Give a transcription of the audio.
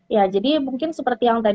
ya jadi mungkin seperti yang tadi